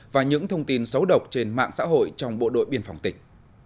và những thông tin xấu độc trên mạng xã hội trong bộ đội biên phòng tỉnh